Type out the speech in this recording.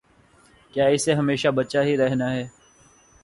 کیا اسے ہمیشہ بچہ ہی رہنا ہے؟